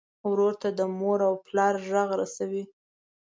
ورور ته د مور او پلار غږ رسوې.